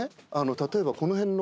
例えばこの辺の。